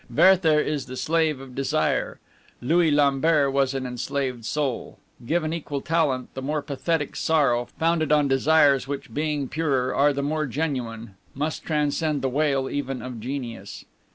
Werther is the slave of desire; Louis Lambert was an enslaved soul. Given equal talent, the more pathetic sorrow, founded on desires which, being purer, are the more genuine, must transcend the wail even of genius.